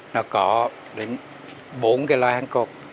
nó có đến bốn loại hàng cột